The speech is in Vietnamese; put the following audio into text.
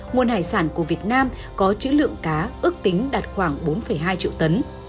nguồn hải sản của việt nam có chữ lượng cá ước tính đạt khoảng bốn hai triệu tấn